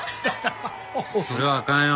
それはあかんよ。